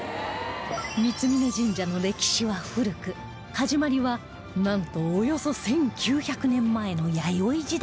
三峯神社の歴史は古く始まりはなんとおよそ１９００年前の弥生時代といわれ